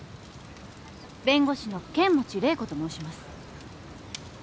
弁護士の剣持麗子と申します。